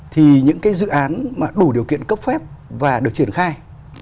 thì những cái dự án mà đủ điều kiện cấp phép và được triển khai